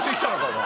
お前。